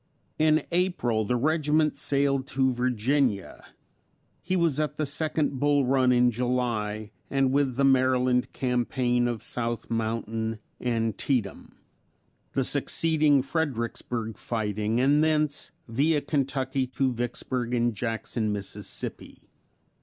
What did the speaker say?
In April the regiment sailed to Virginia; he was at the second Bull Run in July, and with the Maryland campaign of South Mountain, Antietam; the succeeding Fredericksburg fighting and thence via Kentucky to Vicksburg and Jackson, Mississippi.